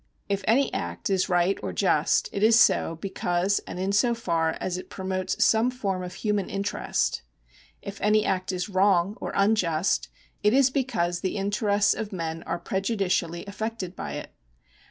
If any act is right or just, it is so because and in so far as it promotes some form of human interest. If any act is wrong or unjust, it is because the interests of men are prejudicially affected by it.